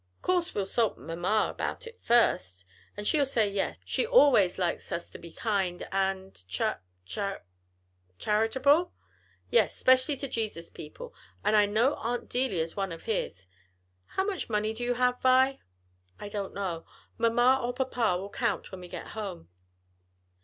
"'Course we'll 'sult mamma 'bout it first, and she'll say yes; she always likes us to be kind and char char " "Charitable? yes, 'specially to Jesus' people, and I know Aunt Delia's one of his. How much money have you, Vi?" "I don't know; mamma or papa will count when we get home."